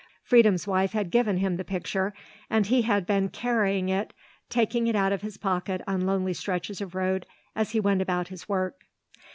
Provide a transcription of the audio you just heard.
Freedom's wife had given him the picture and he had been carrying it, taking it out of his pocket on lonely stretches of road as he went about his work.